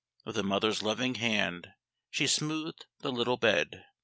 With a mother's loving hand she smoothed the little bed.